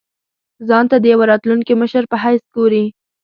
ځان ته د یوه راتلونکي مشر په حیث ګوري.